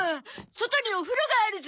外にお風呂があるゾ！